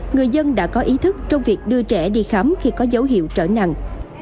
người dân đã có ý thức trong việc đưa trẻ đi khám khi có dấu hiệu trở nặng